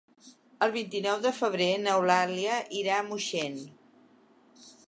El vint-i-nou de febrer n'Eulàlia irà a Moixent.